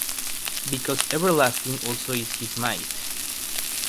Because everlasting also is his might.